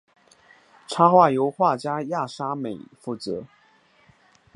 插画由画家亚沙美负责。